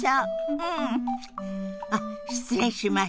うん！あっ失礼しました。